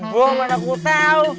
belum mana aku tahu